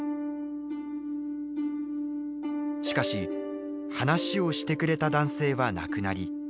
しかし話をしてくれた男性は亡くなり